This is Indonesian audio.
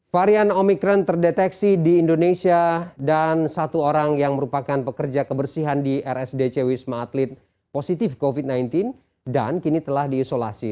varian omikron terdeteksi di indonesia dan satu orang yang merupakan pekerja kebersihan di rsdc wisma atlet positif covid sembilan belas dan kini telah diisolasi